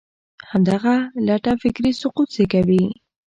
همدغه لټه فکري سقوط زېږوي.